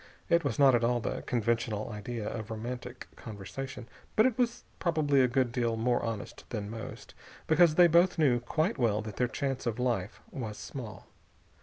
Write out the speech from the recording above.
It was not at all the conventional idea of romantic conversation, but it was probably a good deal more honest than most, because they both knew quite well that their chance of life was small.